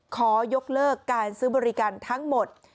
ขอยกเลิกการซื้อบริการทั้งหมด